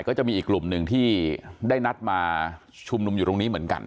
ก็จะมีอีกกลุ่มหนึ่งที่ได้นัดมาชุมนุมอยู่ตรงนี้เหมือนกัน